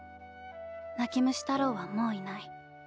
泣き虫太朗はもういない。